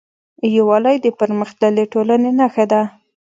یووالی د پرمختللې ټولنې نښه ده.